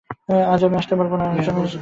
আজ আমি আসতে পারব না।